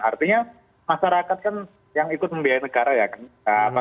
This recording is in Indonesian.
artinya masyarakat kan yang ikut membiayai negara ya kan